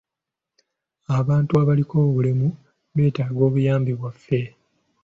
Abantu abaliko obulemu beetaaga obuyambi bwaffe.